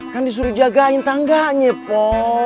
kan disuruh jagain tangganya po